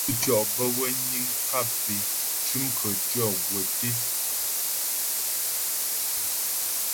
Mo dzʉtʉɔ bə́ wə niŋ kap é cʉm khətʉɔ̌ gwə́ té.